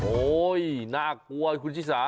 โอ้ยหน้ากลัวคุณฤษฐะ